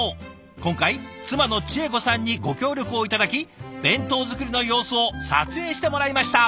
今回妻の智恵子さんにご協力を頂き弁当作りの様子を撮影してもらいました。